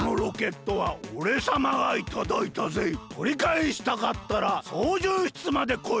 とりかえしたかったらそうじゅう室までこい！